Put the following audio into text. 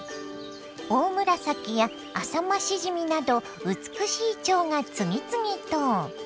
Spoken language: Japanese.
オオムラサキやアサマシジミなど美しいチョウが次々と。